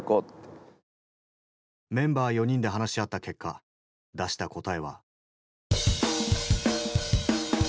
メンバー４人で話し合った結果出した答えは。